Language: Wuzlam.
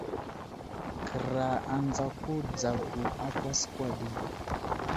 Kəra anzako dzagu a kwaskwa ge.